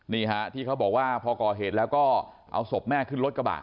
นี่ฮะที่เขาบอกว่าพอก่อเหตุแล้วก็เอาศพแม่ขึ้นรถกระบะ